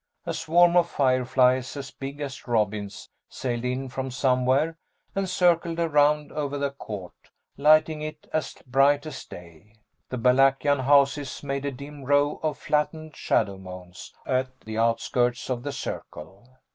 A swarm of fireflies as big as robins sailed in from somewhere and circled around over the court, lighting it as bright as day. The Balakian houses made a dim row of flattened shadow mounds at the outskirts of the circle.